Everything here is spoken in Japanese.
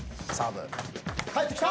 返ってきた！